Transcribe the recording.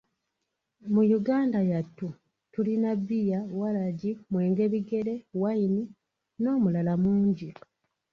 Mu Yuganga yattu tulina; Beer, Walagi, mwenge bigere, Wine, N’omulala mungi.